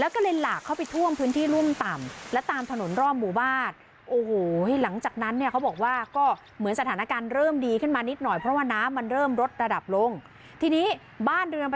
ส่วนใหญ่ถูกน้ำท่วมสูงหนึ่งถึงสองเมตรเลยดินโครนสูงอีกห้าสิบเซนติเมตร